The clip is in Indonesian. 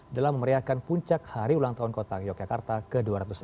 dalam memeriahkan puncak hari ulang tahun kota yogyakarta ke dua ratus enam puluh